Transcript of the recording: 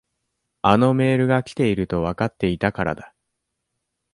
あのメールが来ているとわかっていたからだ。